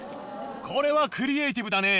これはクリエーティブだね。